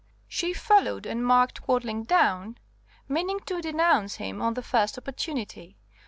She followed and marked Quadling down, meaning to denounce him on the first opportunity.